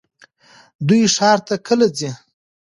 دوی ښار ته کله ځي؟